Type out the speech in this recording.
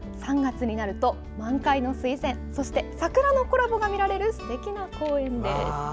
３月になると満開のスイセンそして桜のコラボが見られるすてきな公園です。